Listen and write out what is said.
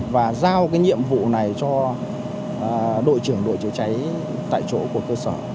và giao cái nhiệm vụ này cho đội trưởng đội chữa cháy tại chỗ của cơ sở